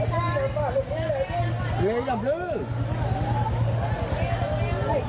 ขออภัยรับปลื้อ